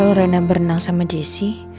kalau reina berenang sama jessi